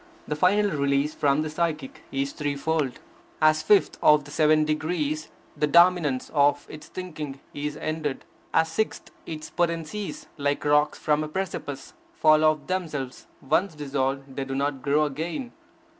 The final release from the psychic is three fold: As fifth of the seven degrees, the dominance of its thinking is ended; as sixth, its potencies, like rocks from a precipice, fall of themselves; once dissolved, they do not grow again.